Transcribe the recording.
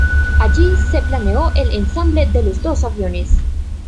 Allí se planeó el ensamble de los dos aviones.